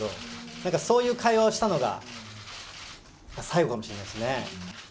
なんかそういう会話をしたのが最後かもしれないですね。